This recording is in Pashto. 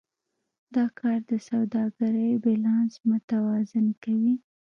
دا کار د سوداګرۍ بیلانس متوازن کوي.